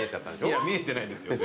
いや見えてないですよ